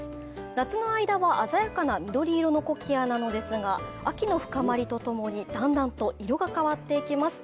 夏の間は鮮やかな緑色のコキアなんですが秋の深まりとともにだんだんと色が変わっていきます。